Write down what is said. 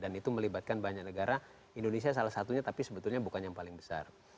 dan itu melibatkan banyak negara indonesia salah satunya tapi sebetulnya bukan yang paling besar